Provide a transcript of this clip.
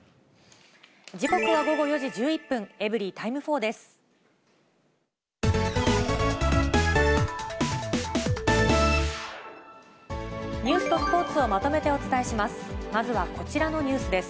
時刻は午後４時１１分、エブリィタイム４です。